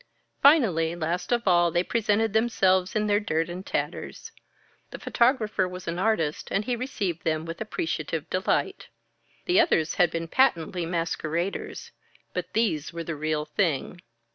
Finally, last of all, they presented themselves in their dirt and tatters. The photographer was an artist, and he received them with appreciative delight. The others had been patently masqueraders, but these were the real thing.